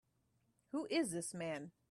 Who is this man?